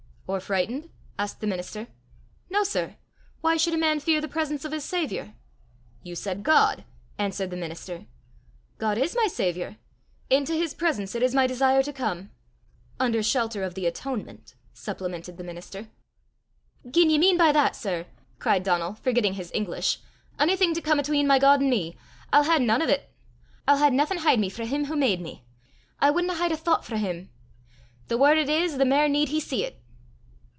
"Or frightened?" asked the minister. "No, sir; why should a man fear the presence of his saviour?" "You said God!" answered the minister. "God is my saviour! Into his presence it is my desire to come." "Under shelter of the atonement," supplemented the minister. "Gien ye mean by that, sir," cried Donal, forgetting his English, "onything to come 'atween my God an' me, I'll hae nane o' 't. I'll hae naething hide me frae him wha made me! I wadna hide a thoucht frae him. The waur it is, the mair need he see 't."